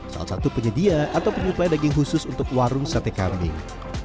salah satu penyedia atau penyuplai daging khusus untuk warung sate kambing